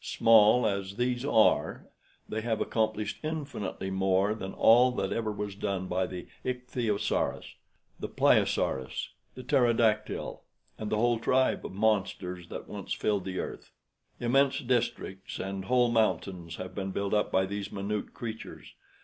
Small as these are they have accomplished infinitely more than all that ever was done by the ichthyosaurus, the plesiosaurus, the pterodactyl, and the whole tribe of monsters that once filled the earth. Immense districts and whole mountains have been built up by these minute creatures.